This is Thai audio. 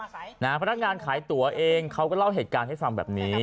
พนักงานขายตัวเองเขาก็เล่าเหตุการณ์ให้ฟังแบบนี้